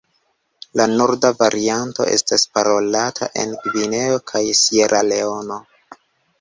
La norda varianto estas parolata en Gvineo kaj Sieraleono.